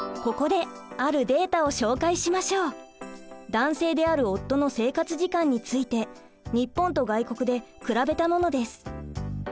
男性である夫の生活時間について日本と外国で比べたものです。